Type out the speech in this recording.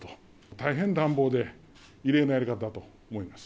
大変乱暴で、異例のやり方だと思います。